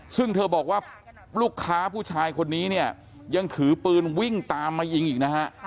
ซึ่งเธอบอกว่าลูกค้าผู้ชายคนนี้เนี่ยยังถือปืนวิ่งตามมายิงอีกนะฮะ